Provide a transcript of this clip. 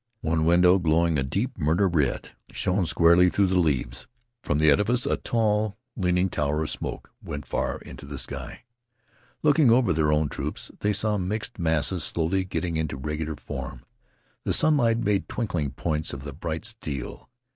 One window, glowing a deep murder red, shone squarely through the leaves. From the edifice a tall leaning tower of smoke went far into the sky. Looking over their own troops, they saw mixed masses slowly getting into regular form. The sunlight made twinkling points of the bright steel.